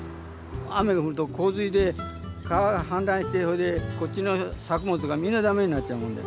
雨が降ると洪水で川が氾濫してこっちの作物がみんなダメになっちゃうもんで。